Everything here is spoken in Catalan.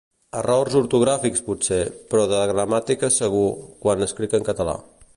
errors ortogràfics potser, però de gramàtica segur, quan escric en català